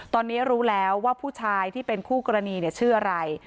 ตอนนี้รู้แล้วว่าผู้ชายที่เป็นคู่กรณีชื่ออะไร